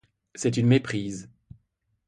C’est une méprise.